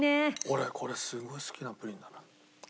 俺これすごい好きなプリンだな。